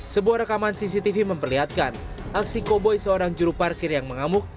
sebuah rekaman cctv memperlihatkan aksi koboi seorang juru parkir yang mengamuk